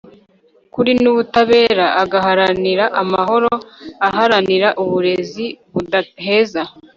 kuri n'ubutabera, agaharanira amahoro. aharanira uburezi budaheza